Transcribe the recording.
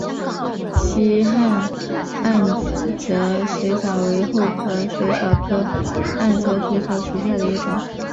希罕暗哲水蚤为厚壳水蚤科暗哲水蚤属下的一个种。